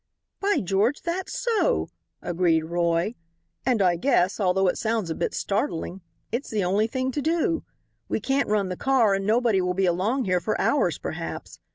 "By George, that's so," agreed Roy, "and I guess, although it sounds a bit startling, it's the only thing to do. We can't run the car and nobody will be along here for hours perhaps.